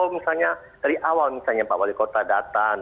misalnya dari awal misalnya pak wali kota datang